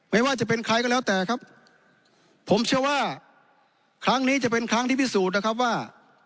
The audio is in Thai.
ไม่ว่าจะเป็นใครก็แล้วแต่ครับผมเชื่อว่าครั้งนี้จะเป็นครั้งที่พิสูจน์นะครับว่า